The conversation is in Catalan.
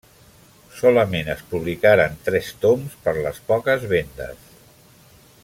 Solament es publicaren tres toms per les poques vendes.